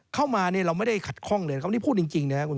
เข้ามาเราไม่ได้ขัดข้องเลยนะครับ